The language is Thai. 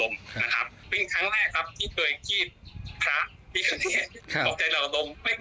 ไม่เคยเจอครั้งนี้ครั้งแรกเหมือนกันครับ